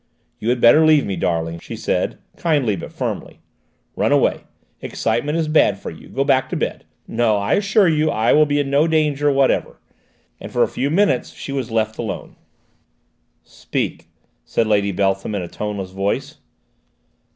"You had better leave me, darlings," she said, kindly but firmly. "Run away: excitement is bad for you. Go back to bed. No, I assure you I shall be in no danger whatever," and for a few minutes she was left alone. "Speak," said Lady Beltham in a toneless voice.